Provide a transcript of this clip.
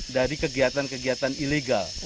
dari kegiatan kegiatan ilegal